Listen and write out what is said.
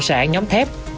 nhóm sản nhóm thép